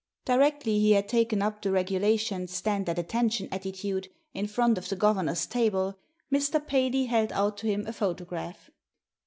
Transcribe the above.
Directly he had taken up the regulation stand at attention attitiide in front of the governor's table, Mr. Paley held out to him a photograph.